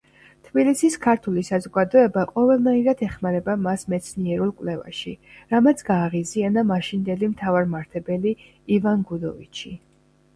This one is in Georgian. თბილისის ქართული საზოგადოება ყოველნაირად ეხმარებოდა მას მეცნიერულ კვლევაში, რამაც გააღიზიანა მაშინდელი მთავარმართებელი ივან გუდოვიჩი.